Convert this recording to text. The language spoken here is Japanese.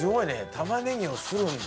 玉ねぎをするんだ。